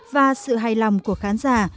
và sự hài lòng của khán giả